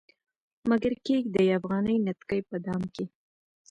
مګر کښيږدي افغاني نتکۍ په دام کې